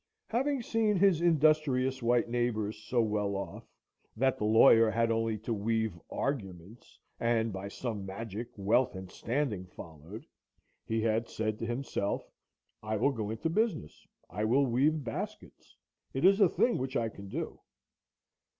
Having seen his industrious white neighbors so well off,—that the lawyer had only to weave arguments, and by some magic, wealth and standing followed, he had said to himself; I will go into business; I will weave baskets; it is a thing which I can do.